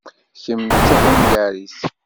Kemm d tahungarit?